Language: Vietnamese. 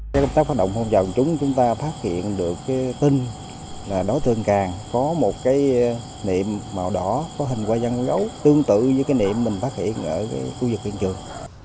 các công tác phát động phòng trọng chúng chúng ta phát hiện được tin là đó thường càng có một cái niệm màu đỏ có hình hoa văn bông gấu tương tự như cái niệm mình phát hiện ở khu vực huyện trường